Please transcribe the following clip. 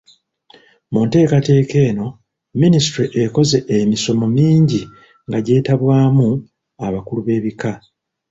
Mu nteekateeka eno, minisitule ekoze emisomo mingi nga gyetabwaamu abakulu b'ebika.